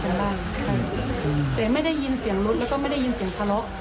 แต่ไม่ได้ยินเสียงรถแล้วก็ไม่ได้ยินเสียงทะเลาะ